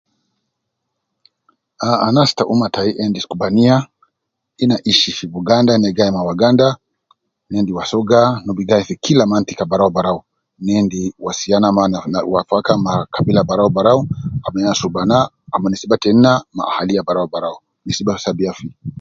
Ah anas te umma tai endis kubaniya ina ishi gi bugnada na gai me waganda, ne endi wasoga, na gi gai fi kila mantika barau barau